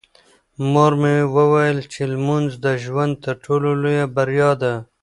مور مې وویل چې لمونځ د ژوند تر ټولو لویه بریا ده.